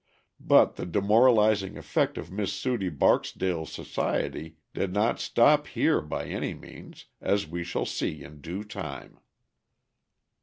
But the demoralizing effect of Miss Sudie Barksdale's society did not stop here by any means, as we shall see in due time.